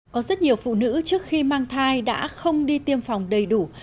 có rất nhiều phụ nữ trước khi mang thai đã không đi tiêm phòng đầy đủ